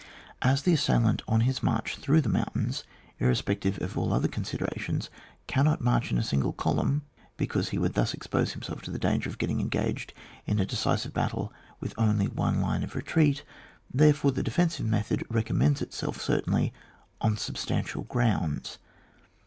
As the assailant on his march through the mountains, irrespective of all other considerations, cannot march in a single column because he would thus expose himself to the danger of getting engaged in a decisive battle with only one line of retreat, therefore, the defensive method recommends itself certainly on substan tial gprounds.